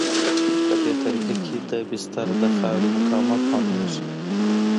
په دې طریقه کې د بستر د خاورې مقاومت معلومیږي